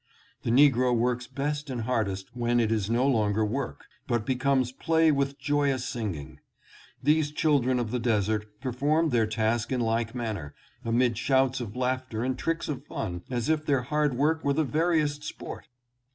The negro works best and hard est when it is no longer work, but becomes play with joyous singing. These children of the desert performed their task in like manner, amid shouts of laughter and tricks of fun, as if their hard work were the veriest sport.